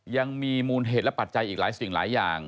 ยังมีมูลเหตุและปัจจัยอีกหลายสิ่งหลายอย่าง